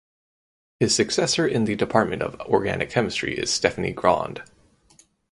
His successor in the department of organic chemistry is Stephanie Grond.